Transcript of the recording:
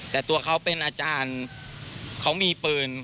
แต่ตัวเขาเป็นอาจารย์เขามีปืน